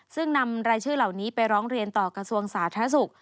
ซึ่งนำรายชื่อเหล่านี้ไปร้องเรียนต่อกระทรวงสาธารณสุข